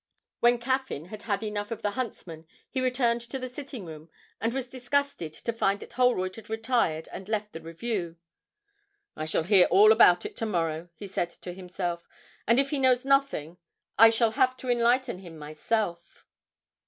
When Caffyn had had enough of the huntsmen he returned to the sitting room, and was disgusted to find that Holroyd had retired and left the Review. 'I shall hear all about it to morrow,' he said to himself; 'and if he knows nothing I shall have to enlighten him myself!'